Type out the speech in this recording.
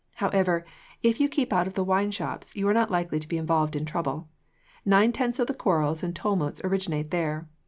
However, if you keep out of the wine shops, you are not likely to become involved in trouble. Nine tenths of the quarrels and tumults originate there.